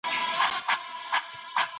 دغه هلک پرون یو ډېر ښکلی غږ واورېدی.